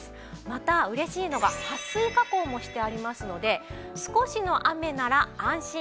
また嬉しいのが撥水加工もしてありますので少しの雨なら安心。